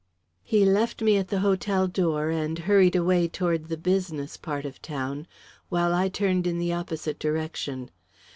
He left me at the hotel door and hurried away toward the business part of the town, while I turned in the opposite direction.